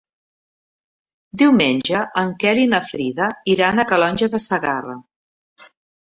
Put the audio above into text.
Diumenge en Quel i na Frida iran a Calonge de Segarra.